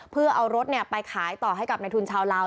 เพื่อเอารถไปขายต่อให้กับในทุนชาวลาว